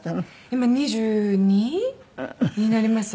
今２２になりましたね。